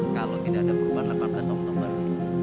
kalau tidak ada perubahan delapan belas oktober